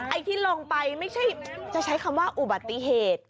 ไอ้ที่ลงไปไม่ใช่จะใช้คำว่าอุบัติเหตุ